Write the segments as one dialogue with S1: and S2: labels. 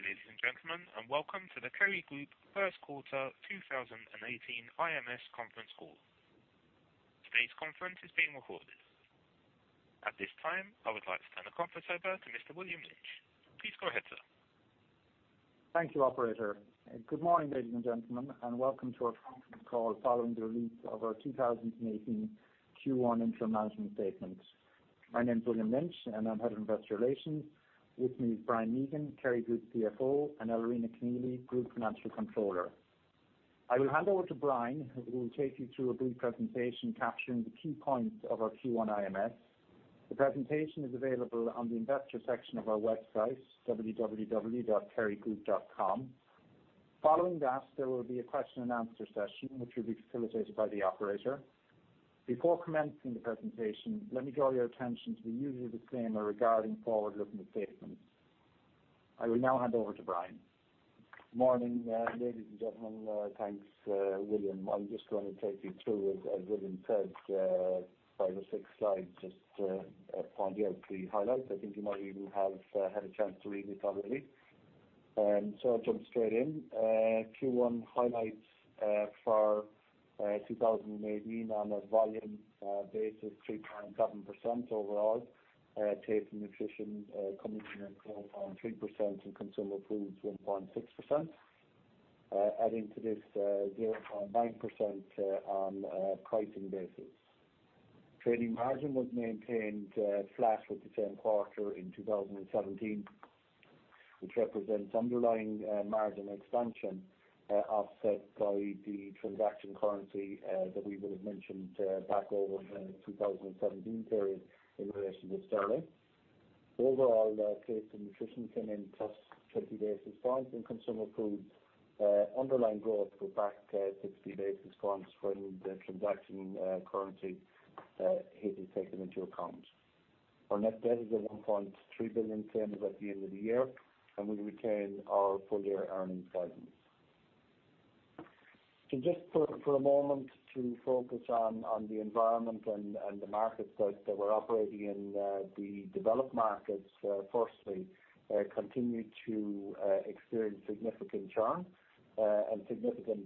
S1: Good day, ladies and gentlemen, welcome to the Kerry Group first quarter 2018 IMS conference call. Today's conference is being recorded. At this time, I would like to turn the conference over to Mr. William Lynch. Please go ahead, sir.
S2: Thank you, operator, good morning, ladies and gentlemen, welcome to our conference call following the release of our 2018 Q1 interim management statement. My name is William Lynch, I am Head of Investor Relations. With me is Brian Mehigan, Kerry Group CFO, and Marguerite Larkin, Group Financial Controller. I will hand over to Brian, who will take you through a brief presentation capturing the key points of our Q1 IMS. The presentation is available on the investor section of our website, www.kerrygroup.com. Following that, there will be a question and answer session, which will be facilitated by the operator. Before commencing the presentation, let me draw your attention to the usual disclaimer regarding forward-looking statements. I will now hand over to Brian.
S3: Morning, ladies and gentlemen. Thanks, William. I am just going to take you through, as William said, five or six slides, just to point out the highlights. I think you might even have had a chance to read it already. I will jump straight in. Q1 highlights for 2018 on a volume basis, 3.7% overall. Taste & Nutrition coming in at 0.3%, Consumer Foods 1.6%. Adding to this, 0.9% on a pricing basis. Trading margin was maintained flat with the same quarter in 2017, which represents underlying margin expansion offset by the transaction currency that we would have mentioned back over the 2017 period in relation to GBP. Overall, Taste & Nutrition came in +20 basis points in Consumer Foods. Underlying growth was back 60 basis points when the transaction currency hit and taken into account. Our net debt is at $1.3 billion, same as at the end of the year, we retain our full year earnings guidance. Just for a moment to focus on the environment and the markets that we are operating in. The developed markets, firstly, continue to experience significant churn and significant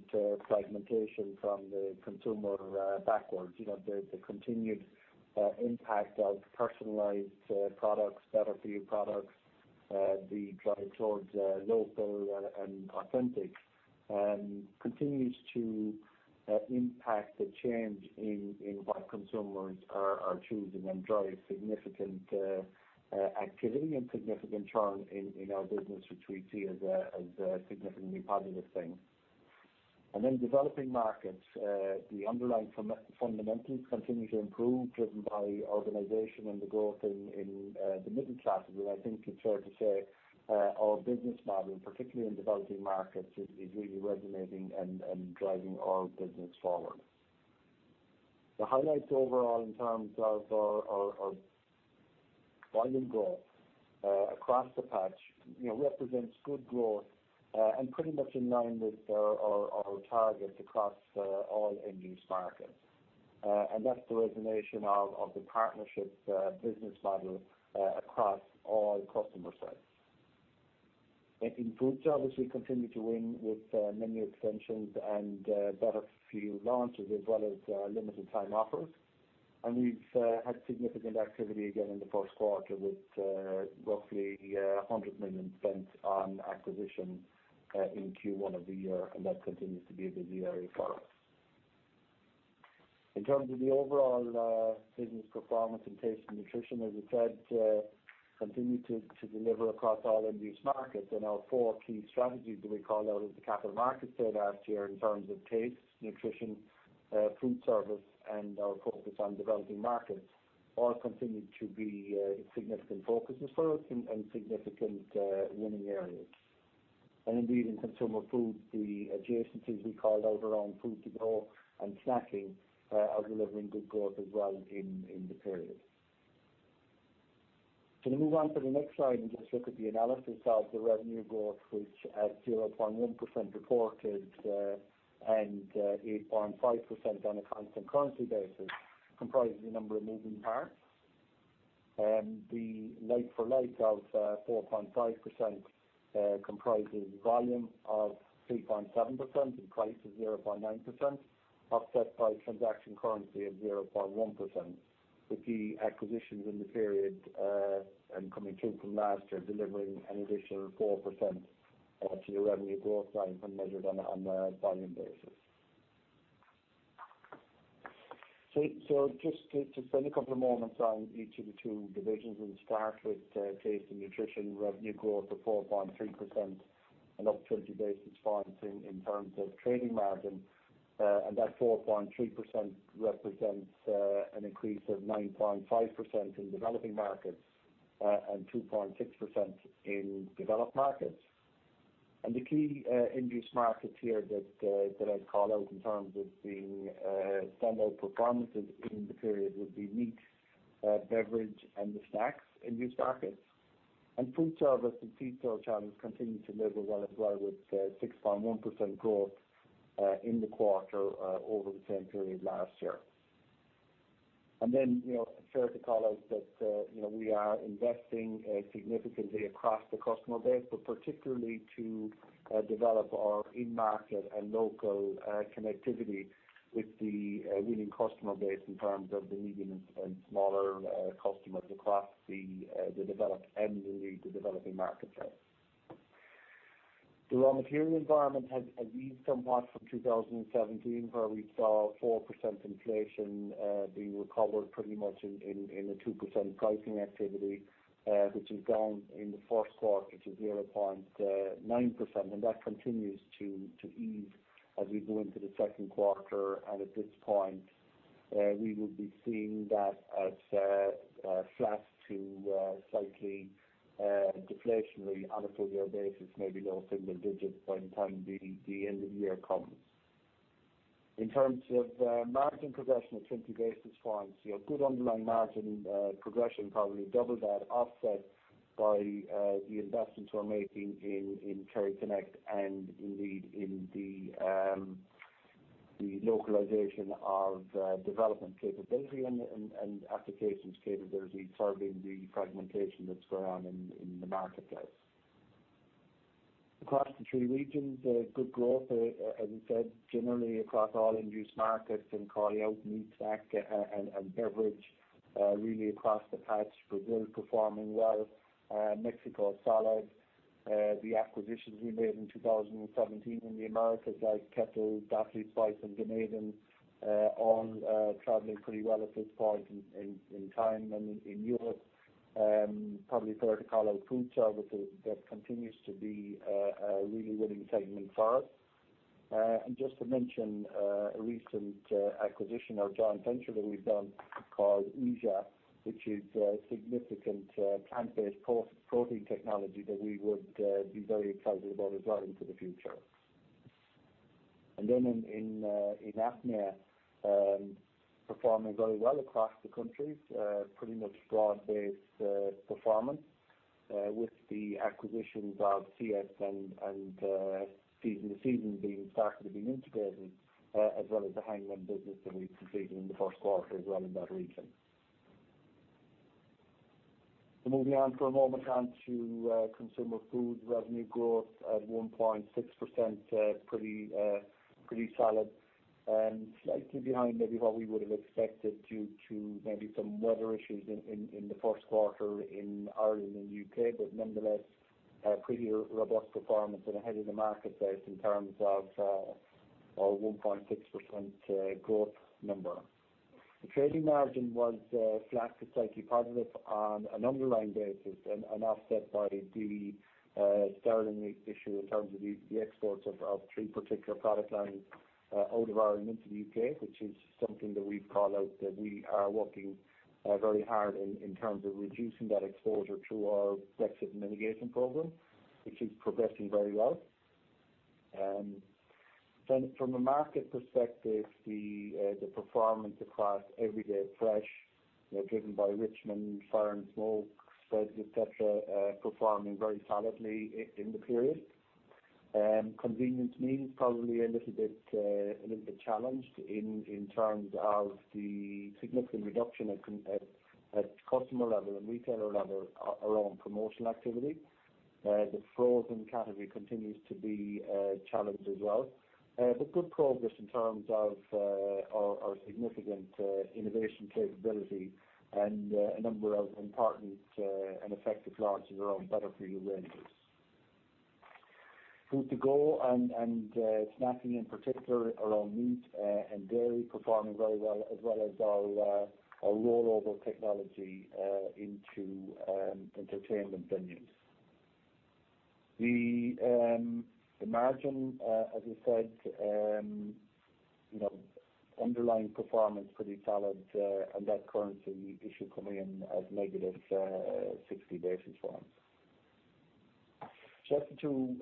S3: fragmentation from the consumer backwards. The continued impact of personalized products, better for you products, the drive towards local and authentic continues to impact the change in what consumers are choosing and drive significant activity and significant churn in our business, which we see as a significantly positive thing. In developing markets, the underlying fundamentals continue to improve, driven by organization and the growth in the middle classes. I think it is fair to say our business model, particularly in developing markets, is really resonating and driving our business forward. The highlights overall in terms of our volume growth across the patch represents good growth and pretty much in line with our targets across all end-use markets. That's the resonation of the partnership business model across all customer sets. In food service, we continue to win with menu extensions and better for you launches, as well as limited time offers. We've had significant activity again in the first quarter with roughly 100 million spent on acquisition in Q1 of the year, that continues to be a busy area for us. In terms of the overall business performance in Taste & Nutrition, as I said, continue to deliver across all end-use markets and our four key strategies that we called out at the capital markets day last year in terms of taste, nutrition, food service, and our focus on developing markets all continued to be significant focuses for us and significant winning areas. Indeed, in Consumer Foods, the adjacencies we called out around food to go and snacking are delivering good growth as well in the period. Move on to the next slide and just look at the analysis of the revenue growth, which at 0.1% reported and 8.5% on a constant currency basis, comprises a number of moving parts. The like for like of 4.5% comprises volume of 3.7% and price of 0.9%, offset by transaction currency of 0.1%, with the acquisitions in the period and coming through from last year delivering an additional 4% to the revenue growth line when measured on a volume basis. Just to spend a couple of moments on each of the two divisions, start with Taste & Nutrition revenue growth of 4.3% and up 20 basis points in terms of trading margin. That 4.3% represents an increase of 9.5% in developing markets and 2.6% in developed markets. The key end-use markets here that I'd call out in terms of being standout performances in the period would be meat, beverage, and the snacks end-use markets. Food service and retail channels continue to deliver well as well, with 6.1% growth in the quarter over the same period last year. It's fair to call out that we are investing significantly across the customer base, but particularly to develop our in-market and local connectivity with the winning customer base in terms of the medium and smaller customers across the developed and indeed the developing marketplace. The raw material environment has eased somewhat from 2017, where we saw 4% inflation being recovered pretty much in the 2% pricing activity, which is down in the first quarter to 0.9%. That continues to ease as we go into the second quarter. At this point, we will be seeing that at flat to slightly deflationary on a full year basis, maybe low single digits by the time the end of the year comes. In terms of margin progression of 20 basis points, good underlying margin progression, probably double that offset by the investments we're making in KerryConnect and indeed in the localization of development capability and applications capability serving the fragmentation that's going on in the marketplace. Across the three regions, good growth, as we said, generally across all end-use markets and calling out meat, snack, and beverage really across the patch. Brazil performing well, Mexico solid. The acquisitions we made in 2017 in the Americas, like Kettle, Gaffney's, [Whey] and Ganeden, all traveling pretty well at this point in time. In Europe probably fair to call out Punto, that continues to be a really winning segment for us. Just to mention, a recent acquisition of joint venture that we've done called Aisa, which is a significant plant-based protein technology that we would be very excited about as well into the future. In APMEA, performing very well across the countries. Pretty much broad-based performance with the acquisitions of cress and Seasoned Solutions starting to being integrated, as well as the Hangzhou Lanli business that we completed in the first quarter as well in that region. Moving on for a moment now to Consumer Foods. Revenue growth at 1.6%, pretty solid and slightly behind maybe what we would have expected due to maybe some weather issues in the first quarter in Ireland and U.K. Nonetheless, a pretty robust performance and ahead of the marketplace in terms of our 1.6% growth number. The trading margin was flat to slightly positive on an underlying basis and offset by the sterling rate issue in terms of the exports of three particular product lines out of Ireland into the U.K., which is something that we've called out that we are working very hard in terms of reducing that exposure through our Brexit mitigation program, which is progressing very well. From a market perspective, the performance across everyday fresh, driven by Richmond, Fry's, Smoke, [inaudible] performing very solidly in the period. Convenience meals probably a little bit challenged in terms of the significant reduction at customer level and retailer level around promotional activity. The frozen category continues to be challenged as well. Good progress in terms of our significant innovation capability and a number of important and effective launches around better-for-you ranges. Food to go and snacking, in particular around meat and dairy, performing very well, as well as our rollover technology into entertainment venues. The margin, as we said, underlying performance pretty solid and that currency issue coming in at negative 60 basis points. That's the two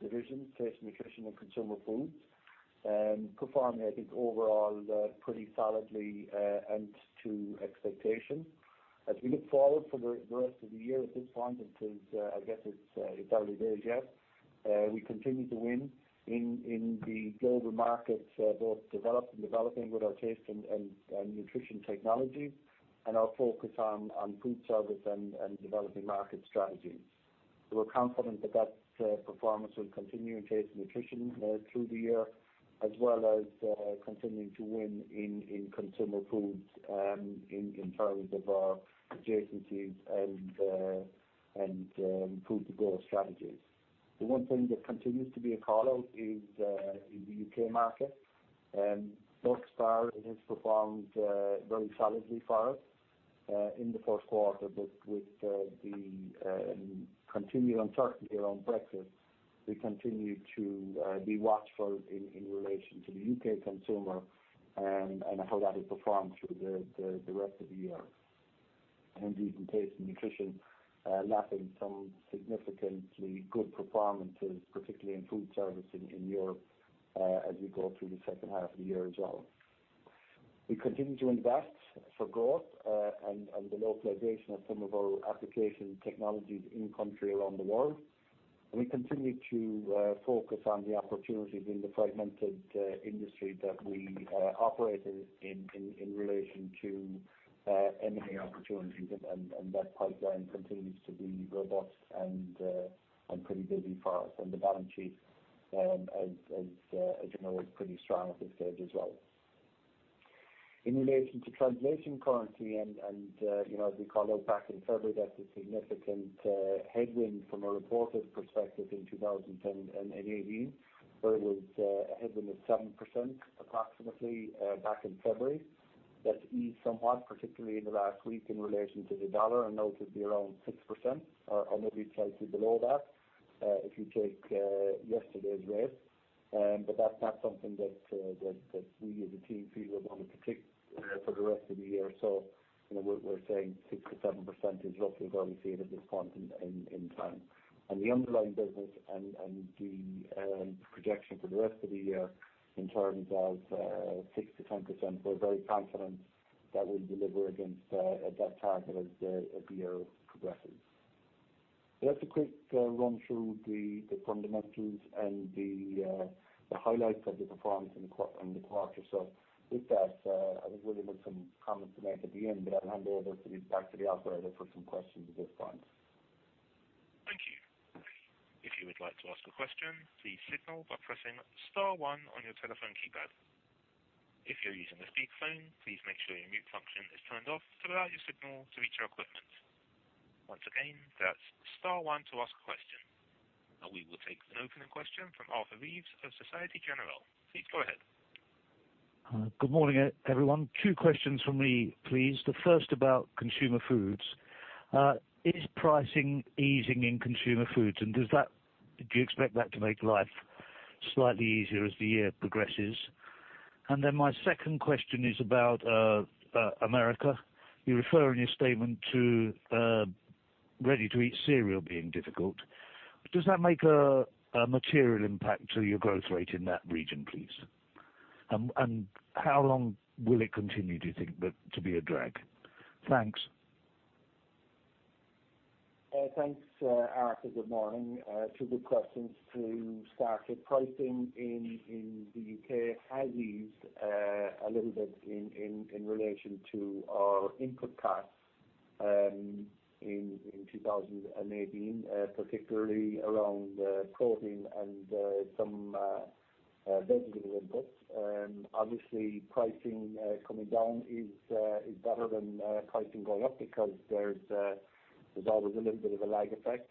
S3: divisions, Taste & Nutrition and Consumer Foods, performing, I think, overall pretty solidly and to expectation. As we look forward for the rest of the year at this point, I guess it's early days yet. We continue to win in the global markets, both developed and developing, with our taste and nutrition technology and our focus on food service and developing market strategies. We're confident that that performance will continue in Taste & Nutrition through the year, as well as continuing to win in Consumer Foods in terms of our adjacencies and food to go strategies. The one thing that continues to be a call-out is the U.K. market. [Backspire] has performed very solidly for us in the first quarter, but with the continued uncertainty around Brexit, we continue to be watchful in relation to the U.K. consumer and how that will perform through the rest of the year. Indeed, in Taste & Nutrition, lapping some significantly good performances, particularly in food service in Europe as we go through the second half of the year as well. We continue to invest for growth and the localization of some of our application technologies in country around the world. We continue to focus on the opportunities in the fragmented industry that we operate in relation to M&A opportunities, and that pipeline continues to be robust and pretty busy for us. The balance sheet, as you know, is pretty strong at this stage as well. In relation to translation currency, as we called out back in February, that's a significant headwind from a reported perspective in 2018, where it was a headwind of 7% approximately back in February. That's eased somewhat, particularly in the last week, in relation to the U.S. dollar, and now it would be around 6%, or maybe slightly below that, if you take yesterday's rate. That's not something that we as a team feel we're going to predict for the rest of the year. We're saying 6%-7% is roughly where we see it at this point in time. The underlying business and the projection for the rest of the year in terms of 6%-10%, we're very confident that we'll deliver against that target as the year progresses. That's a quick run-through the fundamentals and the highlights of the performance in the quarter. With that, I think William has some comments to make at the end, but I'll hand over back to the operator for some questions at this time.
S1: Thank you. If you would like to ask a question, please signal by pressing star one on your telephone keypad. If you're using a speakerphone, please make sure your mute function is turned off to allow your signal to reach our equipment. Once again, that's star one to ask a question. We will take an opening question from Arthur Reeves of Societe Generale. Please go ahead.
S4: Good morning, everyone. Two questions from me, please. The first about Consumer Foods. Is pricing easing in Consumer Foods? Do you expect that to make life slightly easier as the year progresses? My second question is about America. You refer in your statement to ready-to-eat cereal being difficult. Does that make a material impact to your growth rate in that region, please? How long will it continue, do you think, to be a drag? Thanks.
S3: Thanks, Arthur. Good morning. Two good questions to start. Pricing in the U.K. has eased a little bit in relation to our input costs in 2018, particularly around protein and some vegetable inputs. Obviously, pricing coming down is better than pricing going up because there's always a little bit of a lag effect.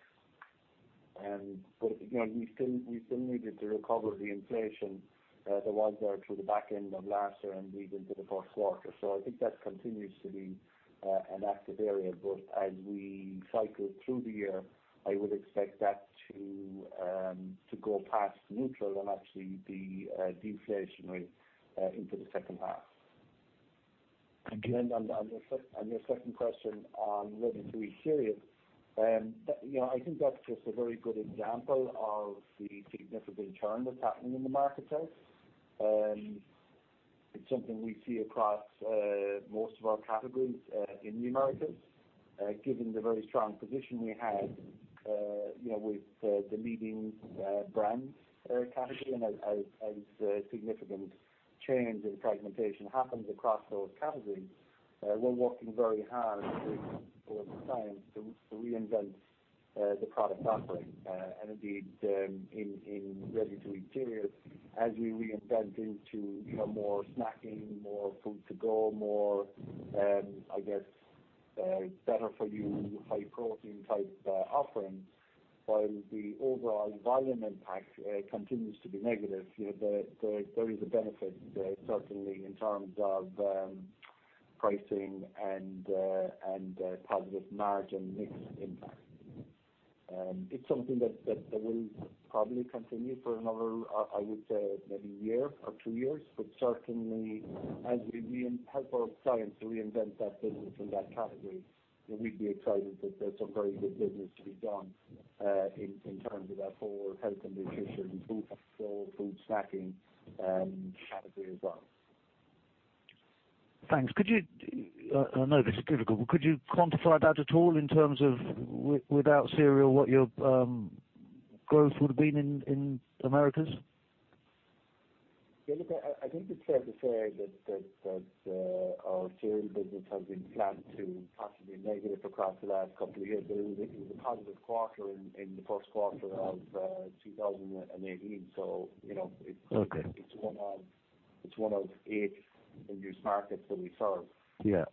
S3: Again, we still needed to recover the inflation that was there through the back end of last year and into the first quarter. I think that continues to be an active area. As we cycle through the year, I would expect that to go past neutral and actually be deflationary into the second half.
S4: Thank you.
S3: Your second question on ready-to-eat cereal. I think that's just a very good example of the significant change that's happening in the marketplace. It's something we see across most of our categories in the Americas. Given the very strong position we have with the leading brand category and as a significant change in fragmentation happens across those categories, we're working very hard with our clients to reinvent the product offering. Indeed, in ready-to-eat cereal, as we reinvent into more snacking, more food to go, more better-for-you, high protein type offerings. While the overall volume impact continues to be negative, there is a benefit certainly in terms of pricing and positive margin mix impact. It's something that will probably continue for another, I would say, maybe a year or 2 years, but certainly as we help our clients to reinvent that business in that category, we'd be excited that there's some very good business to be done in terms of that whole health and nutrition, food to go, food snacking category as well.
S4: Thanks. I know this is difficult, but could you quantify that at all in terms of without cereal, what your growth would have been in Americas?
S3: Yeah, look, I think it's fair to say that our cereal business has been flat to possibly negative across the last couple of years, but it was a positive quarter in the first quarter of 2018.
S4: Okay
S3: It's one of eight end-use markets that we serve.
S4: Yeah.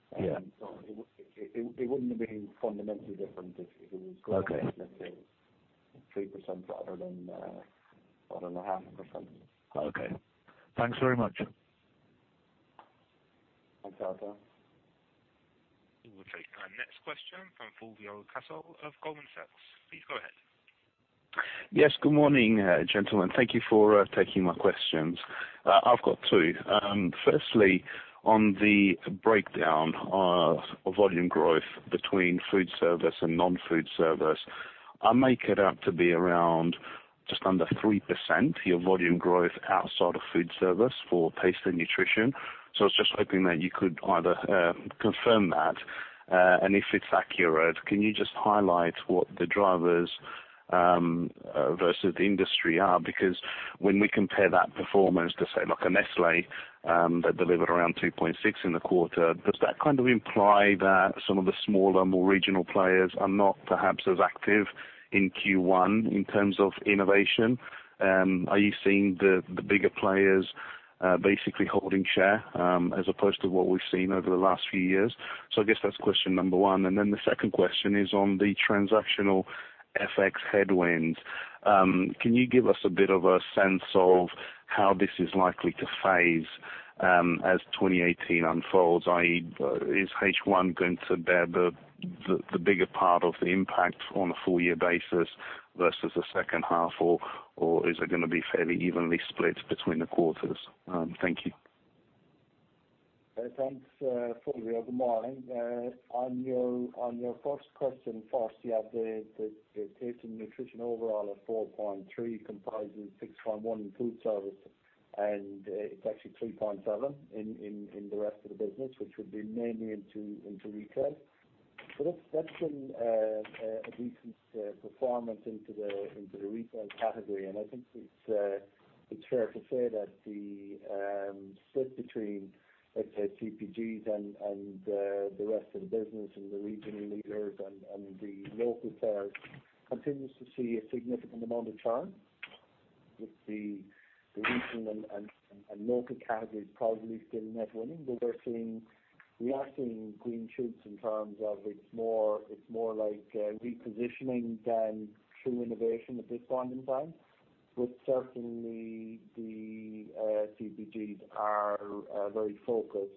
S3: It wouldn't have been fundamentally different if it was-
S4: Okay
S3: 3% rather than 1.5%.
S4: Okay. Thanks very much.
S3: Thanks, Arthur.
S1: We'll take our next question from Fulvio Cintra of Goldman Sachs. Please go ahead.
S5: Yes, good morning, gentlemen. Thank you for taking my questions. I've got two. Firstly, on the breakdown of volume growth between food service and non-food service, I make it out to be around Just under 3%, your volume growth outside of food service for Taste & Nutrition. I was just hoping that you could either confirm that, and if it's accurate, can you just highlight what the drivers versus the industry are? When we compare that performance to say like a Nestlé, that delivered around 2.6 in the quarter, does that kind of imply that some of the smaller, more regional players are not perhaps as active in Q1 in terms of innovation? Are you seeing the bigger players basically holding share, as opposed to what we've seen over the last few years? I guess that's question number 1. The second question is on the transactional FX headwinds. Can you give us a bit of a sense of how this is likely to phase as 2018 unfolds, i.e., is H1 going to bear the bigger part of the impact on a full year basis versus the second half, or is it going to be fairly evenly split between the quarters? Thank you.
S3: Thanks, Fulvio. Good morning. On your first question first, you have the Taste & Nutrition overall of 4.3 comprising 6.1 in food service, and it's actually 3.7 in the rest of the business, which would be mainly into retail. That's been a decent performance into the retail category, and I think it's fair to say that the split between let's say CPGs and the rest of the business and the regional leaders and the local players continues to see a significant amount of churn, with the regional and local categories probably still net winning. We are seeing green shoots in terms of it's more like repositioning than true innovation at this point in time. Certainly, the CPGs are very focused,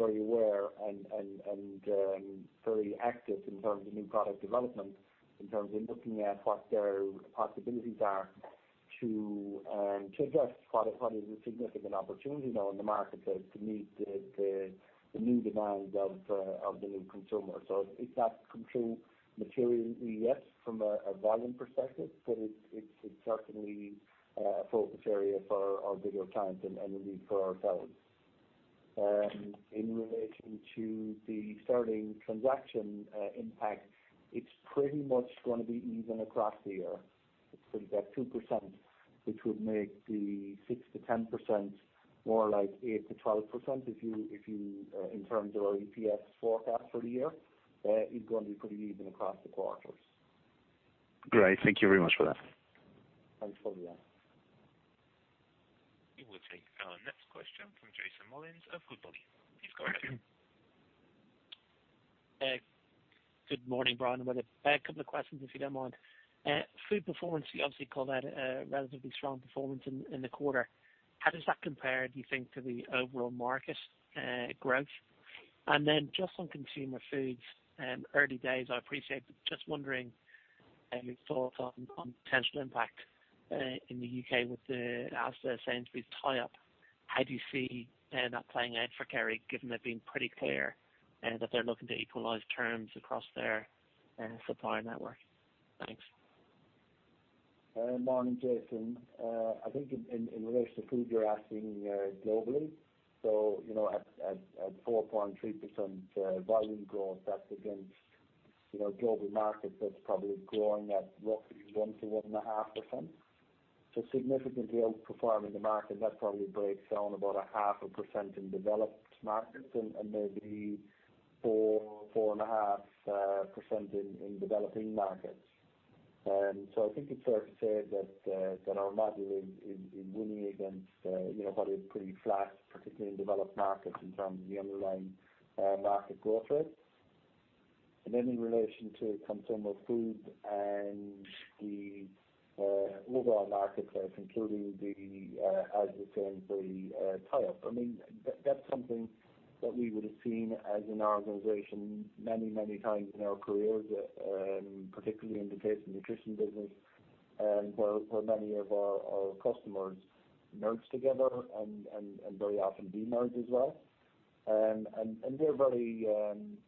S3: very aware, and very active in terms of new product development, in terms of looking at what their possibilities are to address what is a significant opportunity now in the market to meet the new demands of the new consumer. It's not come true materially yet from a volume perspective, but it's certainly a focus area for our bigger clients and indeed for ourselves. In relation to the sterling transaction impact, it's pretty much going to be even across the year. It's sitting at 2%, which would make the 6%-10% more like 8%-12% in terms of our EPS forecast for the year. It's going to be pretty even across the quarters.
S5: Great. Thank you very much for that.
S3: Thanks, Fulvio.
S1: We will take our next question from Jason Molins of Goodbody. Please go ahead.
S6: Thank you. Good morning, Brian and William. A couple of questions, if you don't mind. Food performance, you obviously call that a relatively strong performance in the quarter. How does that compare, do you think, to the overall market growth? Just on Consumer Foods, early days, I appreciate, but just wondering your thoughts on potential impact in the U.K. with the Asda Sainsbury's tie-up. How do you see that playing out for Kerry, given they've been pretty clear that they're looking to equalize terms across their supplier network? Thanks.
S3: Morning, Jason. In relation to food, you're asking globally. At 4.3% volume growth, that's against global markets that's probably growing at roughly 1%-1.5%. Significantly outperforming the market, that probably breaks down about 0.5% in developed markets and maybe 4.5% in developing markets. It's fair to say that our model is winning against what is pretty flat, particularly in developed markets in terms of the underlying market growth rate. In relation to Consumer Foods and the overall marketplace, including the Asda Sainsbury's tie-up, that's something that we would have seen as an organization many times in our careers, particularly in the Taste & Nutrition business, where many of our customers merge together and very often de-merge as well. We're very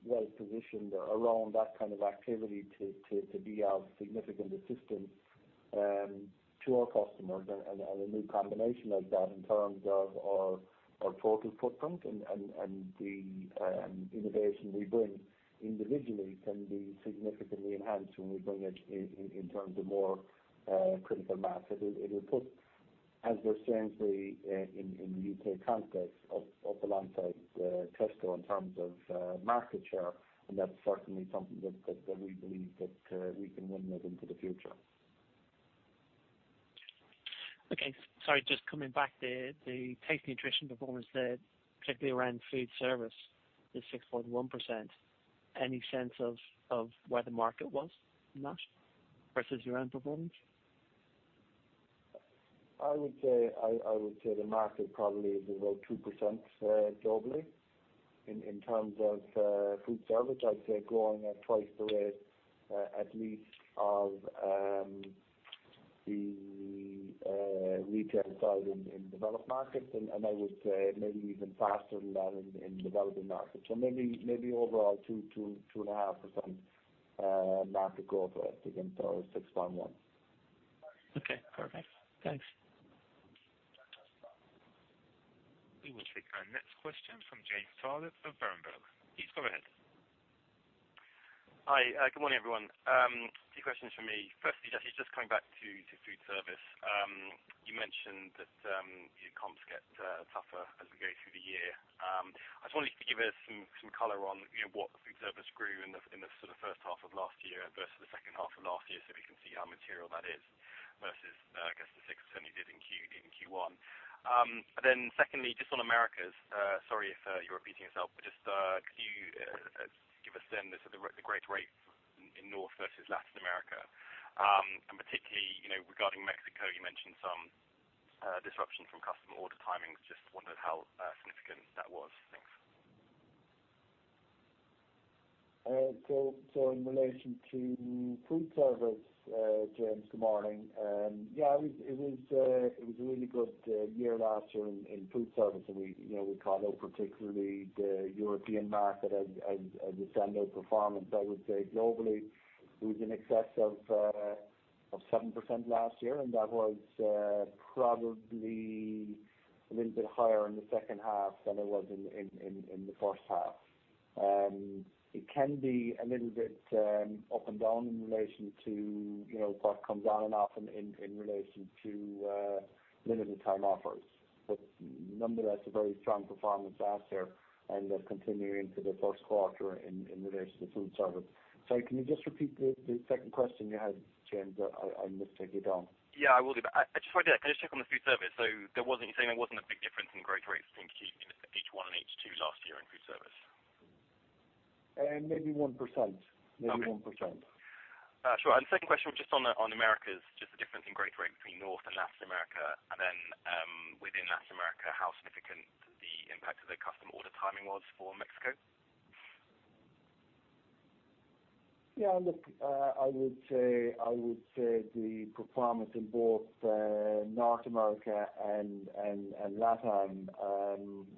S3: well positioned around that kind of activity to be of significant assistance to our customers. A new combination like that in terms of our total footprint and the innovation we bring individually can be significantly enhanced when we bring it in terms of more critical mass. It will put Asda Sainsbury's in the U.K. context up alongside Tesco in terms of market share, that's certainly something that we believe that we can win with into the future.
S6: The Taste & Nutrition performance there, particularly around food service, the 6.1%. Any sense of where the market was on that versus your own performance?
S3: I would say the market probably is about 2% globally. In terms of foodservice, I'd say growing at twice the rate at least of the Retail side in developed markets, and I would say maybe even faster than that in developing markets. Maybe overall 2.5% market growth against our 6.1%.
S6: Okay, perfect. Thanks.
S1: We will take our next question from James Targett of Berenberg. Please go ahead.
S7: Hi. Good morning, everyone. Two questions from me. Firstly, just coming back to foodservice. You mentioned that your comps get tougher as we go through the year. I just wondered if you could give us some color on what the foodservice grew in the first half of last year versus the second half of last year, so we can see how material that is versus, I guess the 6.7% you did in Q1. Secondly, just on Americas, sorry if you're repeating yourself, but just could you give us the growth rate in North versus Latin America? And particularly regarding Mexico, you mentioned some disruption from customer order timings. Just wondered how significant that was. Thanks.
S3: In relation to foodservice, James, good morning. Yeah, it was a really good year last year in foodservice and we called out particularly the European market as a standout performance. I would say globally it was in excess of 7% last year, and that was probably a little bit higher in the second half than it was in the first half. It can be a little bit up and down in relation to what comes on and off in relation to limited time offers. Nonetheless, a very strong performance last year and continuing into the first quarter in relation to foodservice. Sorry, can you just repeat the second question you had, James? I missed it down.
S7: Yeah, I will do. Just can I just check on the foodservice. You're saying there wasn't a big difference in growth rates between Q1 and Q2 last year in foodservice?
S3: Maybe 1%.
S7: Okay. Sure. Second question was just on Americas, just the difference in growth rate between North and Latin America, and then within Latin America, how significant the impact of the customer order timing was for Mexico.
S3: Look, I would say the performance in both North America and LATAM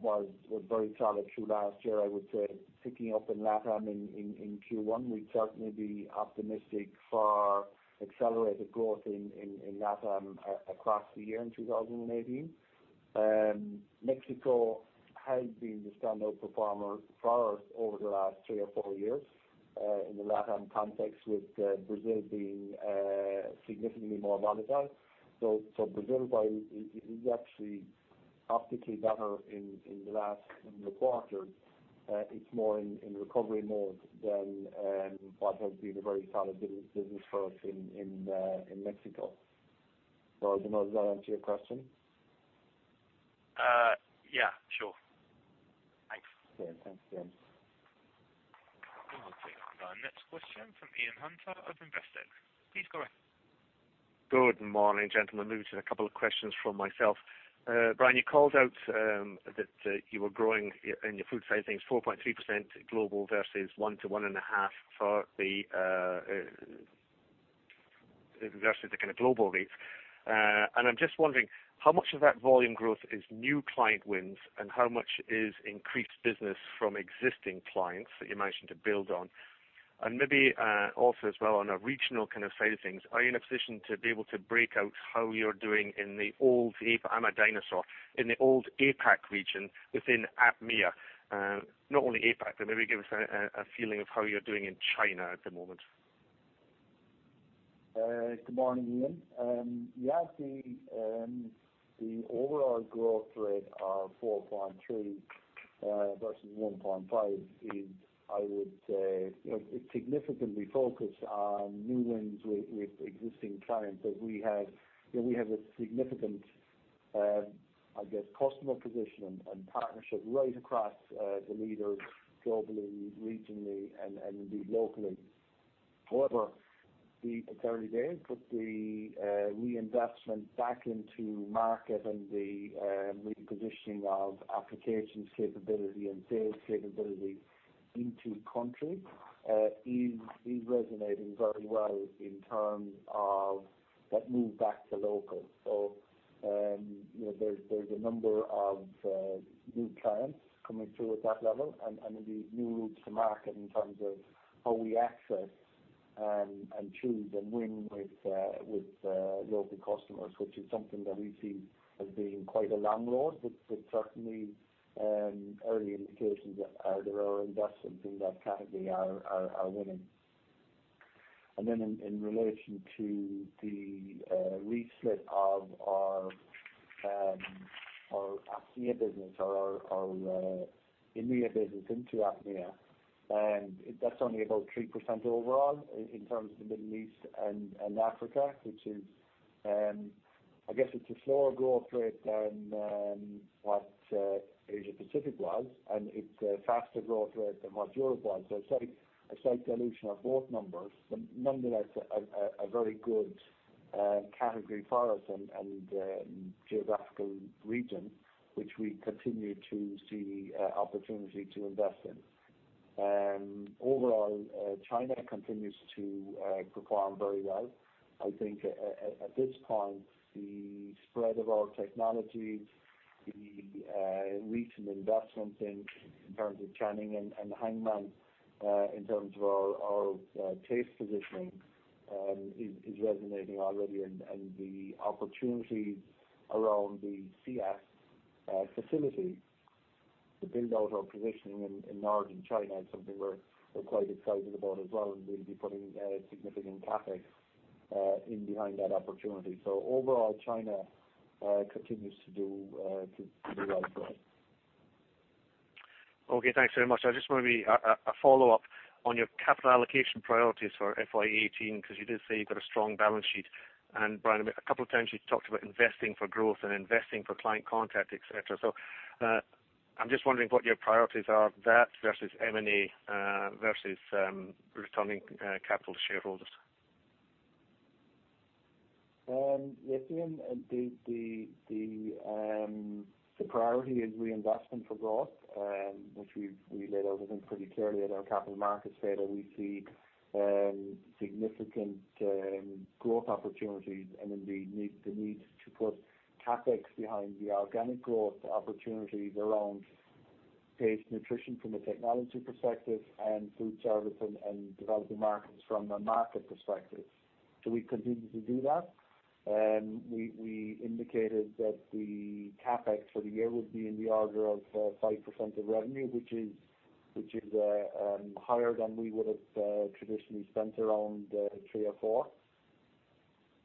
S3: was very solid through last year. I would say picking up in LATAM in Q1, we would certainly be optimistic for accelerated growth in LATAM across the year in 2018. Mexico has been the standout performer for us over the last three or four years in the LATAM context with Brazil being significantly more volatile. Brazil, while it is actually optically better in the quarter, it is more in recovery mode than what has been a very solid business for us in Mexico. I don't know, does that answer your question?
S7: Sure. Thanks.
S3: Thanks, James.
S1: We will take our next question from Ian Hunter of Investec. Please go ahead.
S8: Good morning, gentlemen. Moving to a couple of questions from myself. Brian, you called out that you were growing in your food side of things 4.3% global versus 1%-1.5% for the kind of global rates. I'm just wondering how much of that volume growth is new client wins and how much is increased business from existing clients that you mentioned to build on? Maybe also as well on a regional kind of side of things, are you in a position to be able to break out how you're doing in the old, I'm a dinosaur, in the old APAC region within APMEA? Not only APAC, but maybe give us a feeling of how you're doing in China at the moment.
S3: Good morning, Ian. The overall growth rate of 4.3% versus 1.5% is, I would say, significantly focused on new wins with existing clients that we have. We have a significant, I guess, customer position and partnership right across the leaders globally, regionally, and indeed locally. However, it's early days, but the reinvestment back into market and the repositioning of applications capability and sales capability into country is resonating very well in terms of that move back to local. There's a number of new clients coming through at that level and the new routes to market in terms of how we access and choose and win with local customers, which is something that we see as being quite a long road, but certainly early indications that there are investments in that category are winning. Then in relation to the resplit of our AMEA business or our EMEA business into APMEA, that's only about 3% overall in terms of the Middle East and Africa, which is, I guess it's a slower growth rate than what Asia Pacific was, and it's a faster growth rate than what Europe was. A slight dilution of both numbers, but nonetheless a very good category for us and geographical region, which we continue to see opportunity to invest in. Overall, China continues to perform very well. I think at this point, the spread of our technology, the recent investments in terms of Tianning and Hangzhou Lanli, in terms of our taste positioning is resonating already. The opportunities around the CS facility to build out our positioning in northern China is something we're quite excited about as well, and we'll be putting significant CapEx in behind that opportunity. Overall, China continues to do well for us.
S8: Okay. Thanks very much. I just want to be a follow-up on your capital allocation priorities for FY 2018, because you did say you've got a strong balance sheet. Brian, a couple of times you've talked about investing for growth and investing for client contact, et cetera. I'm just wondering what your priorities are, that versus M&A, versus returning capital to shareholders.
S3: Yes, Ian, the priority is reinvestment for growth, which we've laid out, I think, pretty clearly at our capital markets day, that we see significant growth opportunities and indeed the need to put CapEx behind the organic growth opportunities around Taste & Nutrition from a technology perspective, and Foodservice and developing markets from a market perspective. We continue to do that. We indicated that the CapEx for the year would be in the order of 5% of revenue, which is higher than we would've traditionally spent around 3 or 4.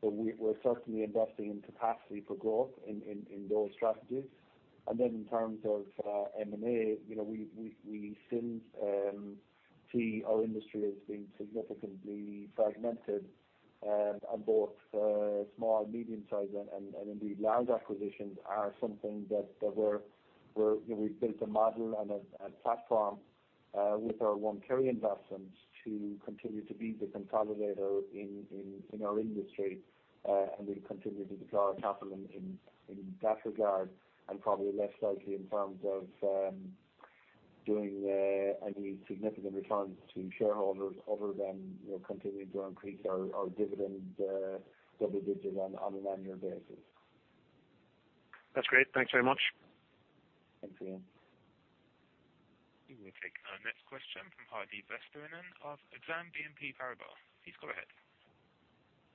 S3: We're certainly investing in capacity for growth in those strategies. Then in terms of M&A, we still see our industry as being significantly fragmented. Both small, medium size, and indeed large acquisitions are something that we've built a model and a platform with our One Kerry investment to continue to be the consolidator in our industry. We'll continue to deploy capital in that regard, and probably less likely in terms of doing any significant returns to shareholders other than continuing to increase our dividend double digits on an annual basis.
S8: That's great. Thanks very much.
S3: Thanks, Ian.
S1: We will take our next question from Heidi Vesterinen of Exane BNP Paribas. Please go ahead.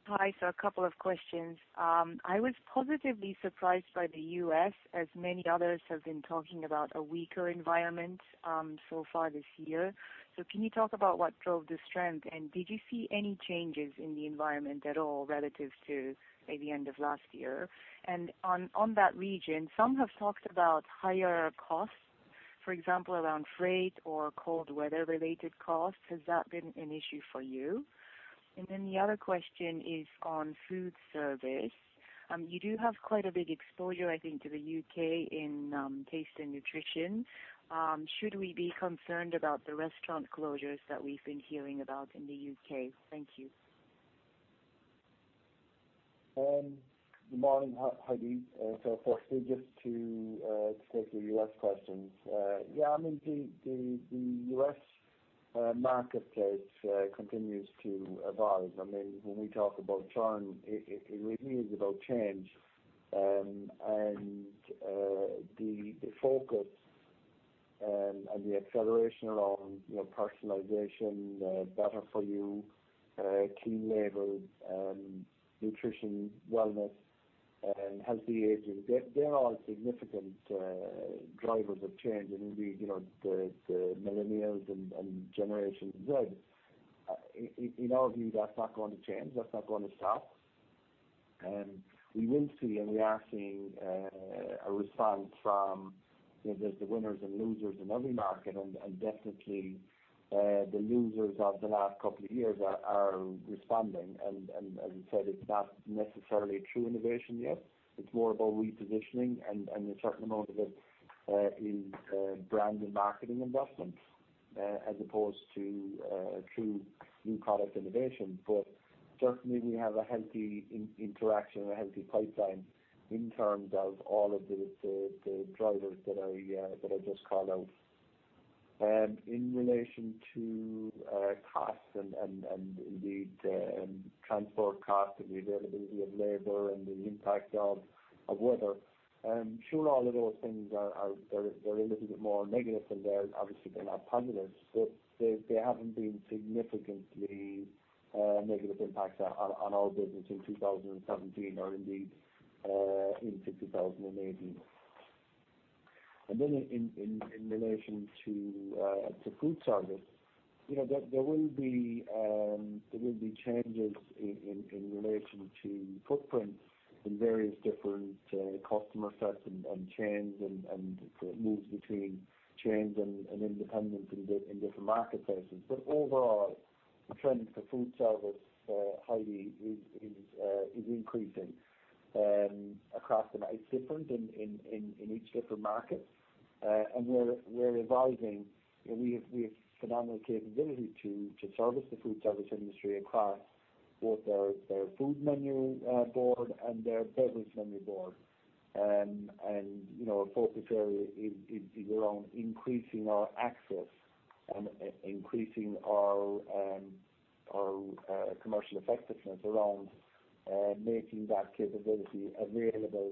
S9: Hi. A couple of questions. I was positively surprised by the U.S., as many others have been talking about a weaker environment so far this year. Can you talk about what drove the strength, and did you see any changes in the environment at all relative to maybe end of last year? On that region, some have talked about higher costs, for example, around freight or cold weather-related costs. Has that been an issue for you? The other question is on Foodservice. You do have quite a big exposure, I think, to the U.K. in Taste & Nutrition. Should we be concerned about the restaurant closures that we've been hearing about in the U.K.? Thank you.
S3: Good morning, Heidi. Firstly, just to take the U.S. questions. The U.S. marketplace continues to evolve. When we talk about churn, it really is about change. The focus and the acceleration around personalization, better for you, clean label, nutrition, wellness, and healthy aging, they're all significant drivers of change. Indeed, the millennials and Generation Z, in our view, that's not going to change. That's not going to stop. We will see, and we are seeing a response from the winners and losers in every market, and definitely the losers of the last couple of years are responding. As you said, it's not necessarily a true innovation yet. It's more about repositioning, and a certain amount of it is brand and marketing investments as opposed to a true new product innovation. Certainly, we have a healthy interaction and a healthy pipeline in terms of all of the drivers that I just called out. In relation to costs and indeed transport costs and the availability of labor and the impact of weather, sure, all of those things are a little bit more negative than they obviously have been positive. They haven't been significantly negative impacts on our business in 2017 or indeed in 2018. Then in relation to Foodservice, there will be changes in relation to footprints in various different customer sets and chains, and moves between chains and independents in different marketplaces. Overall, the trend for Foodservice, Heidi, is increasing. It's different in each different market. We're evolving. We have phenomenal capability to service the Foodservice industry across both their food menu board and their beverage menu board. Our focus area is around increasing our access and increasing our commercial effectiveness around making that capability available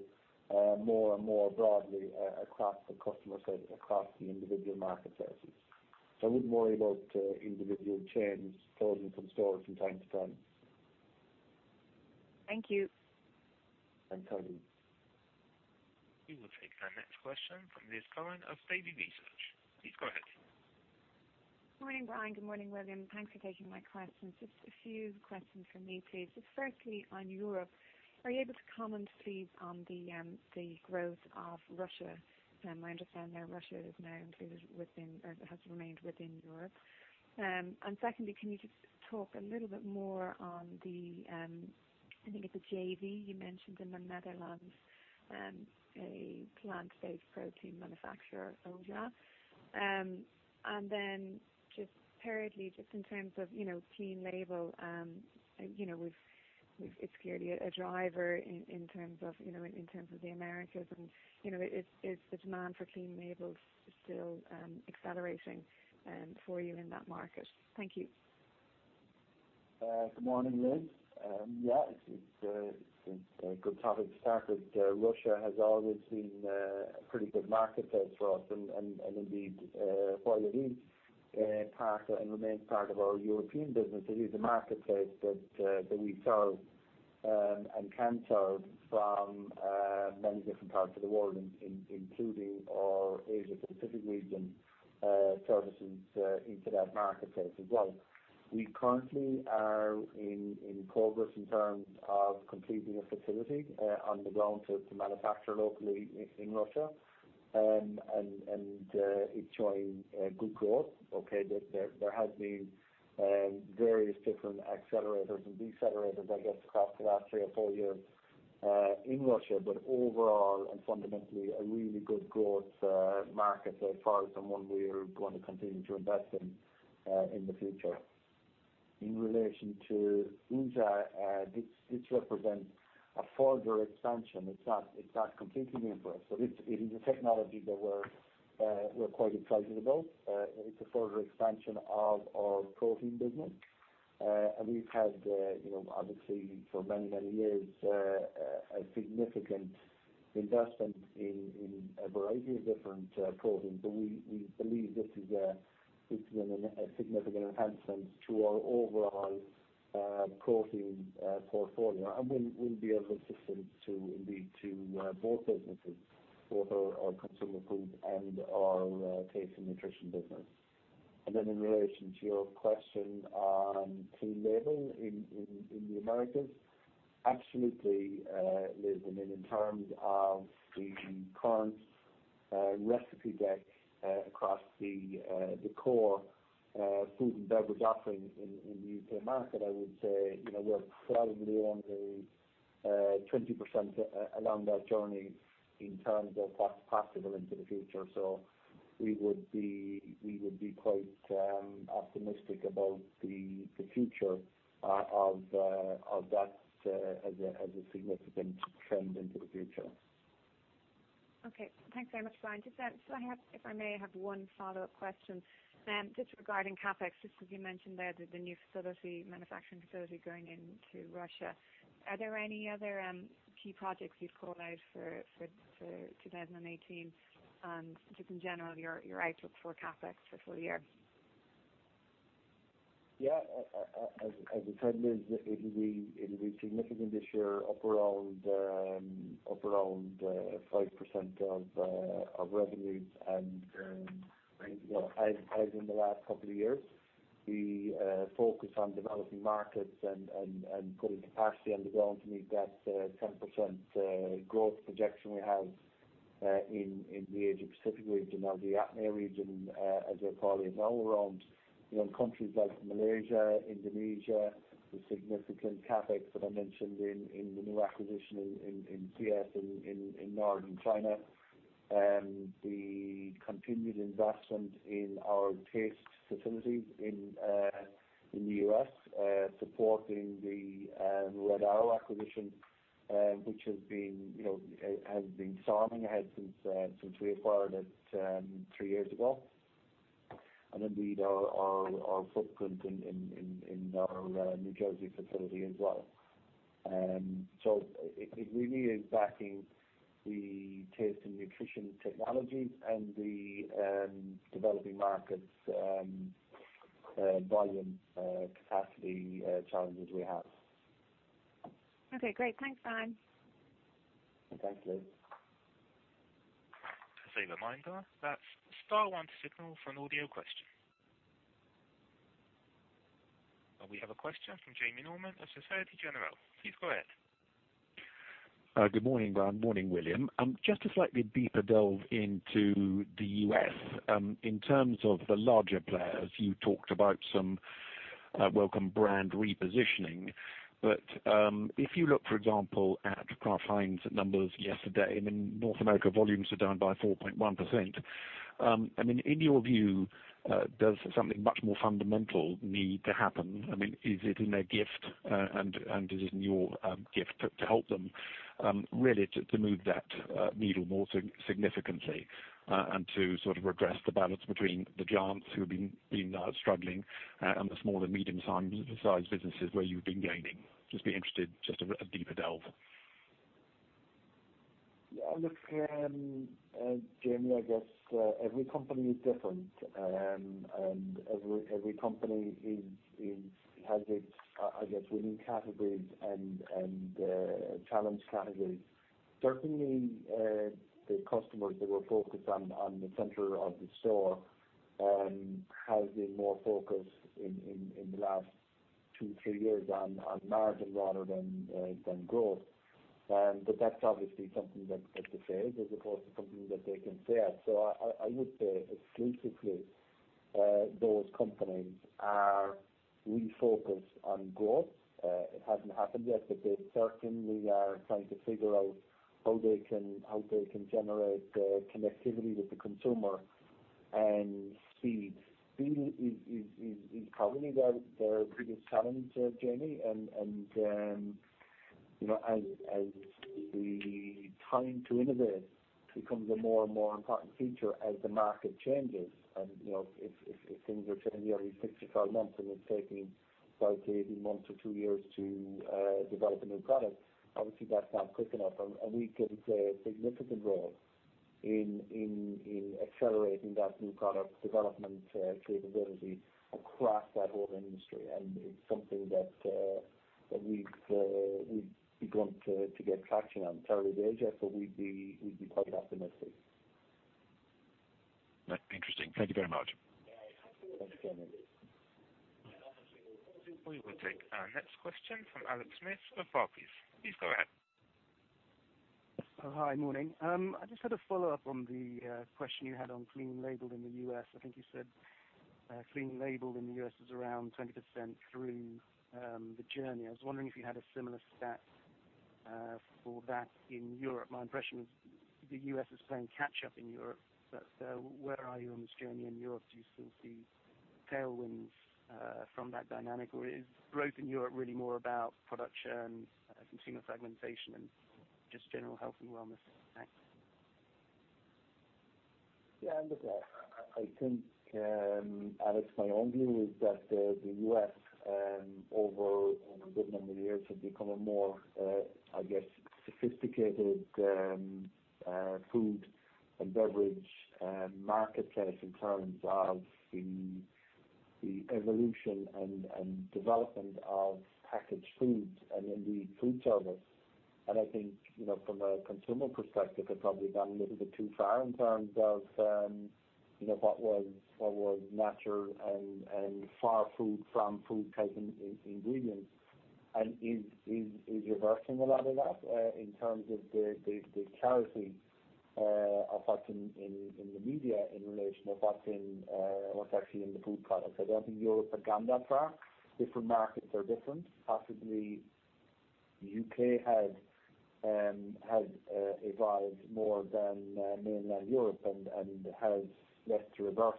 S3: more and more broadly across the customer set, across the individual marketplaces. I wouldn't worry about individual chains closing some stores from time to time.
S9: Thank you.
S3: Thanks, Heidi.
S1: We will take our next question from Liz Cowen of Baillie research. Please go ahead.
S7: Morning, Brian. Good morning, William. Thanks for taking my questions. A few questions from me, please. Firstly, on Europe, are you able to comment please on the growth of Russia? My understanding there, Russia is now included within or has remained within Europe. Secondly, can you just talk a little bit more on the, I think it's a JV you mentioned in the Netherlands, a plant-based protein manufacturer, Ojah. Thirdly, in terms of clean label, it's clearly a driver in terms of the Americas and is the demand for clean labels still accelerating for you in that market? Thank you.
S3: Good morning, Liz. It's a good topic to start with. Russia has always been a pretty good marketplace for us, and indeed, while it is part and remains part of our European business, it is a marketplace that we serve and can serve from many different parts of the world, including our Asia Pacific region services into that marketplace as well. We currently are in progress in terms of completing a facility on the ground to manufacture locally in Russia. It's showing good growth. Okay. There has been various different accelerators and decelerators, I guess, across the last three or four years in Russia, but overall and fundamentally, a really good growth market so far and someone we are going to continue to invest in the future. In relation to Ojah, this represents a further expansion. It's not completely new for us. It is a technology that we're quite excited about. It's a further expansion of our protein business. We've had obviously for many, many years, a significant investment in a variety of different proteins. We believe this is a significant enhancement to our overall protein portfolio and will be of assistance to indeed to both businesses, both our Consumer Foods and our Taste & Nutrition business. In relation to your question on clean label in the Americas, absolutely, Liz, in terms of the current recipe deck across the core food and beverage offering in the U.K. market, I would say, we're probably only 20% along that journey in terms of what's possible into the future. We would be quite optimistic about the future of that as a significant trend into the future.
S7: Okay. Thanks very much, Brian. If I may have one follow-up question, just regarding CapEx, just as you mentioned there, the new facility, manufacturing facility going into Russia. Are there any other key projects you'd call out for 2019? Just in general, your outlook for CapEx for full year.
S3: Yeah. As I said, Liz, it'll be significant this year, up around 5% of revenues and as in the last couple of years. We focus on developing markets and putting capacity on the ground to meet that 10% growth projection we have in the Asia Pacific region or the APMEA region, as we call it now, around countries like Malaysia, Indonesia, the significant CapEx that I mentioned in the new acquisition in CS in Northern China. The continued investment in our taste facilities in the U.S., supporting the Red Arrow acquisition, which has been storming ahead since we acquired it three years ago. Indeed, our footprint in our New Jersey facility as well. It really is backing the Taste & Nutrition technologies and the developing markets volume capacity challenges we have.
S7: Okay, great. Thanks, Brian.
S3: Thanks, Liz.
S1: Just a reminder, that's star one to signal for an audio question. We have a question from Jamie Norman of Societe Generale. Please go ahead.
S10: Good morning, Brian. Morning, William. Just a slightly deeper delve into the U.S. In terms of the larger players, you talked about some welcome brand repositioning. If you look, for example, at Kraft Heinz numbers yesterday, North America volumes are down by 4.1%. In your view, does something much more fundamental need to happen? Is it in their gift, and is it in your gift to help them really to move that needle more significantly and to sort of redress the balance between the giants who've been struggling and the small and medium-sized businesses where you've been gaining? Just be interested, just a deeper delve.
S3: Look, Jamie, I guess every company is different, every company has its winning categories and challenge categories. Certainly, the customers that we're focused on the center of the store have been more focused in the last two, three years on margin rather than growth. That's obviously something that they failed as opposed to something that they can share. I would say exclusively those companies are refocused on growth. It hasn't happened yet, but they certainly are trying to figure out how they can generate connectivity with the consumer, speed. As the time to innovate becomes a more and more important feature as the market changes, if things are changing every six to 12 months, it's taking 12 to 18 months or two years to develop a new product, obviously that's not quick enough. We can play a significant role in accelerating that new product development capability across that whole industry. It's something that we'd be going to get traction on. It's early days yet, but we'd be quite optimistic.
S10: Interesting. Thank you very much.
S3: Thanks, Jamie.
S1: We will take our next question from Alex Smith of Barclays. Please go ahead.
S11: Hi. Morning. I just had a follow-up on the question you had on clean label in the U.S. I think you said clean label in the U.S. is around 20% through the journey. I was wondering if you had a similar stat for that in Europe. My impression is the U.S. is playing catch-up in Europe, but where are you on this journey in Europe? Do you still see tailwinds from that dynamic, or is growth in Europe really more about production, consumer fragmentation, and just general health and wellness? Thanks.
S3: Yeah, look, I think, Alex, my own view is that the U.S. over a good number of years has become a more sophisticated food and beverage marketplace in terms of the evolution and development of packaged foods and indeed food service. I think from a consumer perspective, they've probably gone a little bit too far in terms of what was natural and farm to food-type ingredients and is reversing a lot of that in terms of the clarity of what's in the media in relation to what's actually in the food products. I don't think Europe has gone that far. Different markets are different. Possibly the U.K. has evolved more than mainland Europe and has less to reverse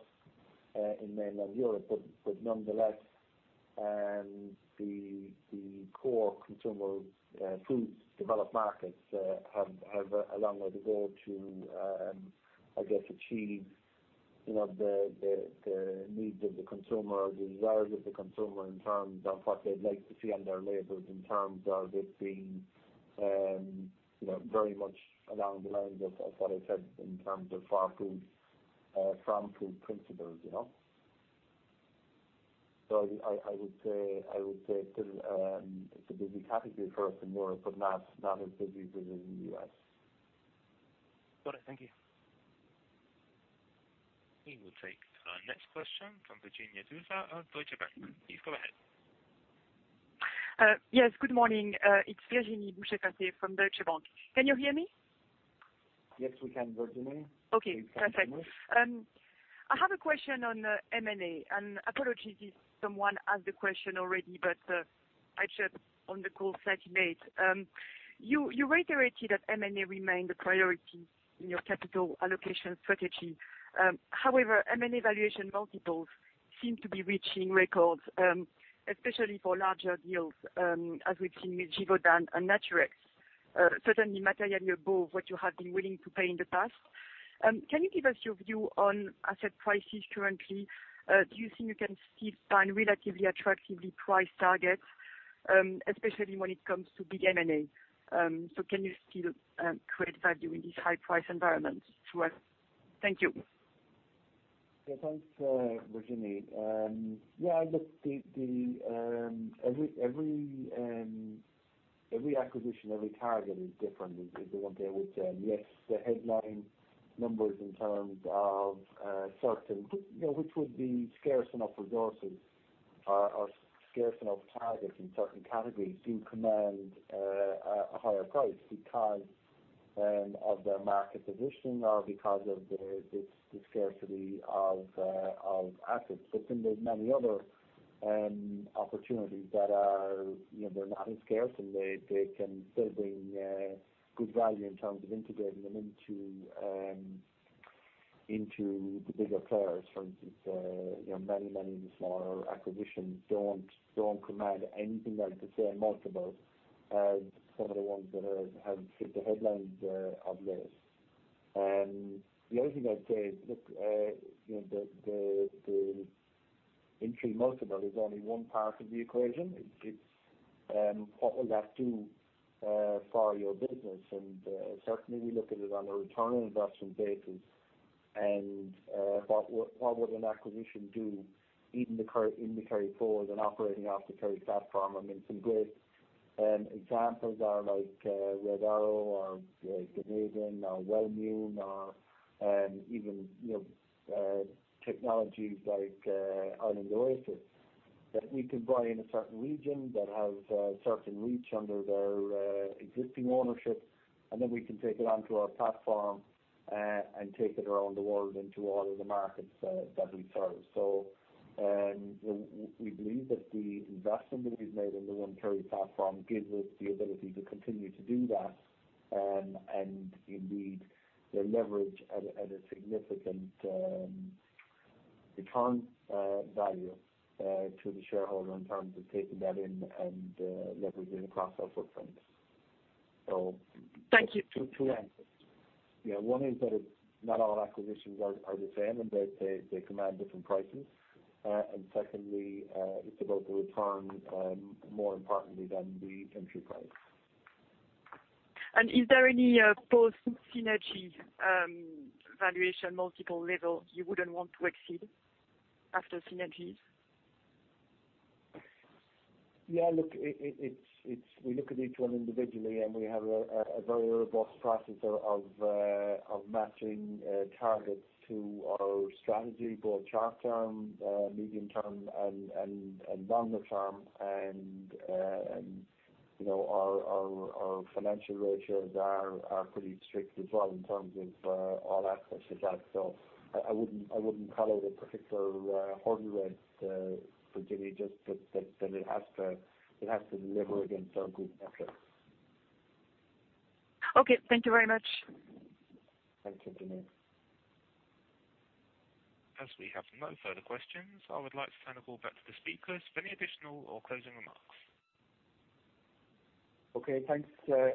S3: in mainland Europe. Nonetheless, the core Consumer Foods developed markets have a long way to go to achieve the needs of the consumer or the desires of the consumer in terms of what they'd like to see on their labels, in terms of it being very much along the lines of what I said in terms of farm to food principles. I would say it's a busy category for us in Europe, but not as busy as it is in the U.S.
S11: Got it. Thank you.
S1: We will take our next question from Virginie Boucher-Faurion of Deutsche Bank. Please go ahead.
S12: Yes, good morning. It's Virginie Boucher-Faurion from Deutsche Bank. Can you hear me?
S3: Yes, we can, Virginie.
S12: Okay, perfect.
S3: Please continue.
S12: I have a question on M&A. Apologies if someone asked the question already, I joined on the call slightly late. You reiterated that M&A remained a priority in your capital allocation strategy. However, M&A valuation multiples seem to be reaching records, especially for larger deals, as we've seen with Givaudan and Naturex, certainly materially above what you have been willing to pay in the past. Can you give us your view on asset prices currently? Do you think you can still find relatively attractively priced targets, especially when it comes to big M&A? Can you still create value in this high price environment? Thank you.
S3: Thanks, Virginie. Every acquisition, every target is different, is the one thing I would say. Yes, the headline numbers in terms of certain, which would be scarce enough resources or scarce enough targets in certain categories do command a higher price because of their market position or because of the scarcity of assets. There's many other opportunities that are not as scarce, and they can still bring good value in terms of integrating them into the bigger players. For instance, many smaller acquisitions don't command anything like the same multiples as some of the ones that have hit the headlines of late. The other thing I'd say, look, the entry multiple is only one part of the equation. It's what will that do for your business. Certainly, we look at it on a return on investment basis and what would an acquisition do in the Kerry folds and operating off the Kerry platform. Some great examples are Red Arrow or Ganeden or Wellmune or even technologies like Island Oasis that we can buy in a certain region that has a certain reach under their existing ownership, and then we can take it onto our platform and take it around the world into all of the markets that we serve. We believe that the investment that we've made in the One Kerry Platform gives us the ability to continue to do that and indeed leverage at a significant return value to the shareholder in terms of taking that in and leveraging across our footprint.
S12: Thank you.
S3: Two answers. One is that not all acquisitions are the same, they command different prices. Secondly, it's about the return more importantly than the entry price.
S12: Is there any post-synergy valuation multiple level you wouldn't want to exceed after synergies?
S3: Yeah. Look, we look at each one individually, we have a very robust process of matching targets to our strategy, both short-term, medium-term, and longer-term. Our financial ratios are pretty strict as well in terms of all aspects of that. I wouldn't call it a particular hard read, Virginie, just that it has to deliver against our group metrics.
S12: Okay. Thank you very much.
S3: Thank you, Virginie.
S1: We have no further questions, I would like to turn it all back to the speakers for any additional or closing remarks.
S3: Okay. Thanks,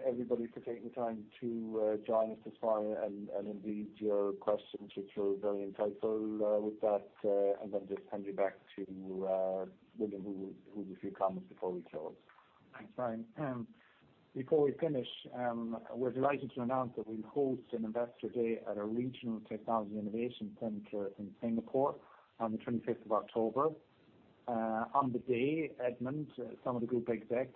S3: everybody, for taking the time to join us this far and indeed your questions, which were very insightful with that. I'll just hand you back to William, who has a few comments before we close.
S2: Thanks, Brian. Before we finish, we're delighted to announce that we'll host an investor day at our regional technology innovation center in Singapore on the 25th of October. On the day, Edmond, some of the group exec,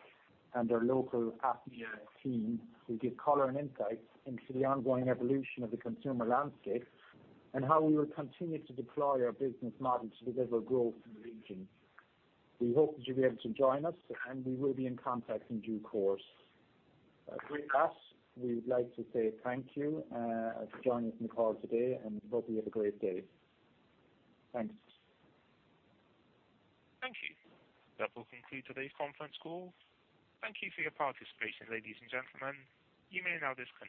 S2: and our local Asia team will give color and insights into the ongoing evolution of the consumer landscape and how we will continue to deploy our business model to deliver growth in the region. We hope that you'll be able to join us, and we will be in contact in due course. With that, we would like to say thank you for joining us on the call today, and we hope you have a great day. Thanks.
S1: Thank you. That will conclude today's conference call. Thank you for your participation, ladies and gentlemen. You may now disconnect.